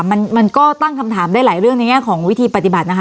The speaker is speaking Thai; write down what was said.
มันมันก็ตั้งคำถามได้หลายเรื่องในแง่ของวิธีปฏิบัตินะคะ